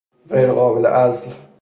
غیر قابل عزل